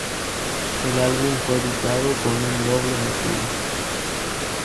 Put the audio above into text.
El álbum fue editado con un doble motivo.